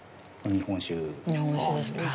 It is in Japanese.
日本酒ですか。